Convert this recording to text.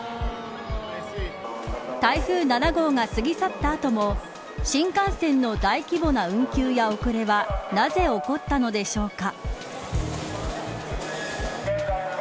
台風７号が過ぎ去った後も新幹線の大規模な運休や遅れはなぜ起こったのでしょうか。